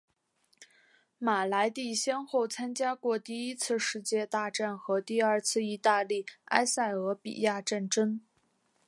马莱蒂先后参加过第一次世界大战和第二次意大利埃塞俄比亚战争。